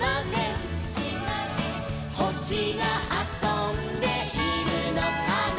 「ほしがあそんでいるのかな」